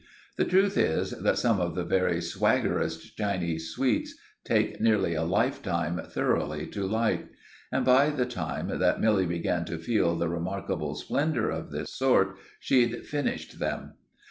The truth is that some of the very swaggerest Chinese sweets take nearly a lifetime thoroughly to like; and by the time that Milly began to feel the remarkable splendour of this sort, she'd finished them.